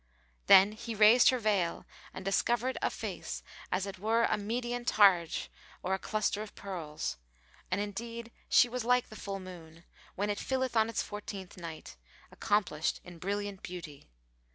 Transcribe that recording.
Then he raised her veil and discovered a face as it were a Median targe[FN#450] or a cluster of pearls:[FN#451] and indeed she was like the full moon, when it filleth on its fourteenth night, accomplished in brilliant beauty.